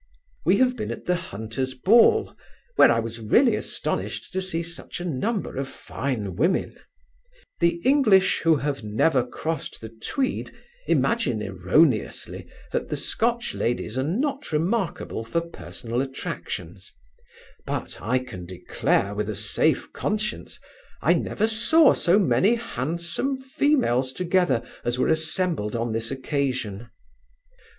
We have been at the hunters' ball, where I was really astonished to see such a number of fine women The English, who have never crossed the Tweed, imagine erroneously, that the Scotch ladies are not remarkable for personal attractions; but, I can declare with a safe conscience, I never saw so many handsome females together, as were assembled on this occasion.